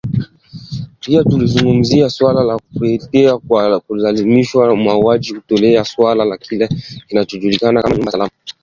Pia tulizungumzia suala la kupotea kwa kulazimishwa, mauaji holela, suala la kile kinachojulikana kama “nyumba salama”